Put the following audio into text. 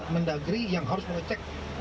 mendagri yang harus mengecek